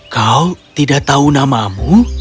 kau tidak tahu namamu